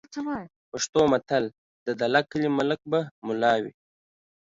پښتو متل: "د دله کلي ملک به مُلا وي"